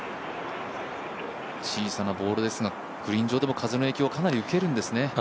小さなボールですがグリーン上でも風をかなり受けるんですね。